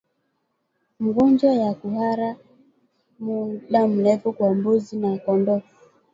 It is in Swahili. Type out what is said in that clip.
Mgonjwa ya kuhara muda mrefu kwa mbuzi na kondoo